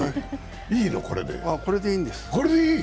これでいいんです。